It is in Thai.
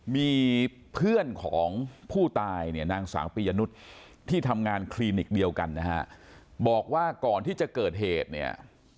มีเพื่อนของผู้ตายเนี่ยนางสาวปียนุษย์ที่ทำงานคลินิกเดียวกันนะฮะบอกว่าก่อนที่จะเกิดเหตุเนี่ย